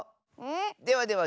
ではでは